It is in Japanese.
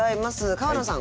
川野さん